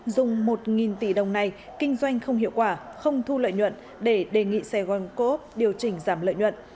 dùng một tỷ đồng này kinh doanh không hiệu quả không thu lợi nhuận để đề nghị sài gòn cố điều chỉnh giảm lợi nhuận